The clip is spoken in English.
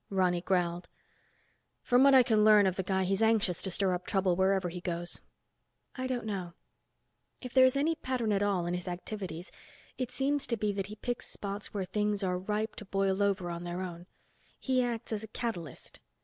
Ronny growled. "From what I can learn of the guy he's anxious to stir up trouble wherever he goes." "I don't know. If there's any pattern at all in his activities, it seems to be that he picks spots where things are ripe to boil over on their own. He acts as a catalyst.